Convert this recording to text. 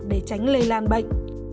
để tránh lây lan bệnh